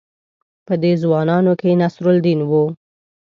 په دې ځوانانو کې نصرالدین وو.